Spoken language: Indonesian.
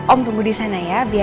om tunggu disana ya